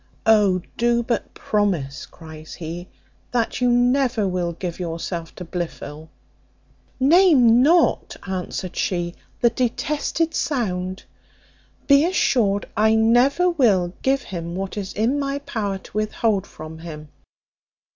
"O do but promise," cries he, "that you never will give yourself to Blifil." "Name not," answered she, "the detested sound. Be assured I never will give him what is in my power to withhold from him."